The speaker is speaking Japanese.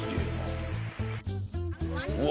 うわ。